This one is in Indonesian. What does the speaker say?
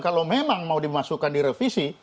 kalau memang mau dimasukkan di revisi